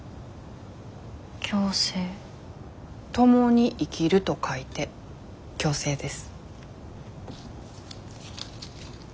共に生きると書いて共生です。